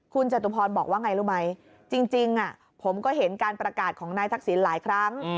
คุณจตุพรบอกว่าไงรู้ไหมจริงผมก็เห็นการประกาศของนายทักษิณหลายครั้ง